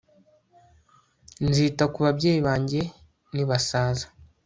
Nzita ku babyeyi banjye nibasaza